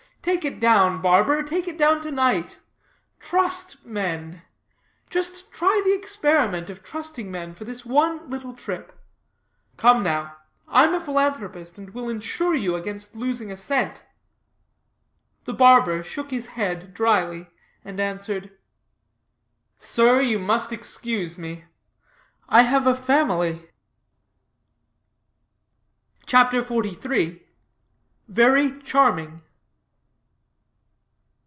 Take it down, barber; take it down to night. Trust men. Just try the experiment of trusting men for this one little trip. Come now, I'm a philanthropist, and will insure you against losing a cent." The barber shook his head dryly, and answered, "Sir, you must excuse me. I have a family." CHAPTER XLIII VERY CHARMING.